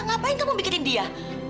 ngapain kamu bikin dia